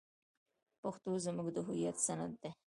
پښتو زموږ د هویت سند دی.